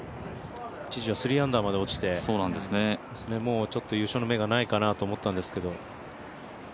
一時は３アンダーまで落ちてもうちょっと優勝の目がないかなと思ったんですけど。